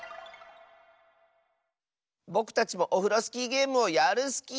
ぼくたちもオフロスキーゲームをやるスキー！